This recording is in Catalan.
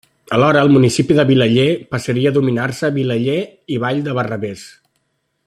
Alhora, el municipi de Vilaller passaria a denominar-se Vilaller i Vall de Barravés.